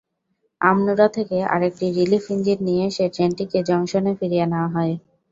আমনূরা থেকে আরেকটি relief engine নিয়ে এসে ট্রেনটিকে জংশনে ফিরিয়ে নেওয়া হয়।